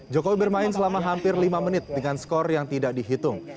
jokowi bermain selama hampir lima menit dengan skor yang tidak dihitung